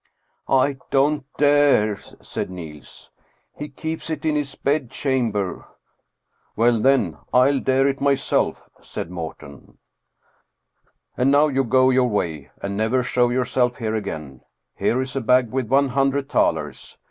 I don't dare," said Niels, " he keeps it in his bed cham ber." " Well, then, I'll dare it myself," said Morten. " And now, go your way, and never show yourself here again. Here is a bag with one hundred thalers.